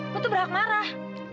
lo tuh berhak marah